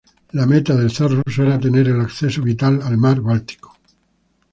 La meta del zar ruso era tener el acceso vital al mar Báltico.